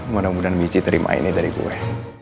mudah mudahan michi terima ini dari gue